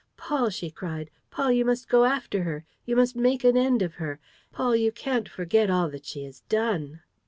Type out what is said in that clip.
"Paul," she cried, "Paul, you must go after her, you must make an end of her! ... Paul, you can't forget all that she has done!"